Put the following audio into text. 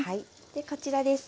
こちらです。